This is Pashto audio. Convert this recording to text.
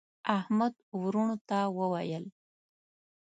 احمد وروڼو ته وویل: